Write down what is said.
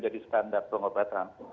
jadi standar pengobatan